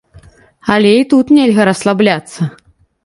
Але і тут нельга расслабляцца.